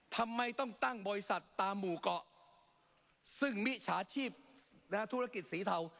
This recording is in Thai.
ทำไมต้องตั้งบริษัทตามหมู่เกาะซึ่งมิจฉาชีพธุรกิจสีเทา